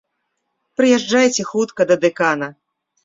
Прыязджайце хутка да дэкана!